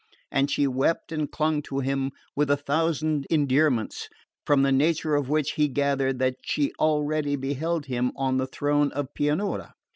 and she wept and clung to him with a thousand endearments, from the nature of which he gathered that she already beheld him on the throne of Pianura.